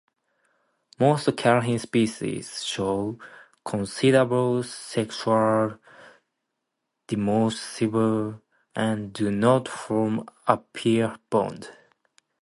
Most catarrhine species show considerable sexual dimorphism and do not form a pair bond.